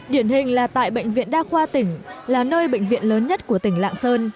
điển hình là tại bệnh viện đa khoa tỉnh là nơi bệnh viện lớn nhất của tỉnh lạng sơn